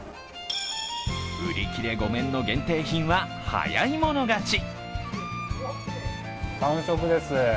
売り切れ御免の限定品は早い者勝ち。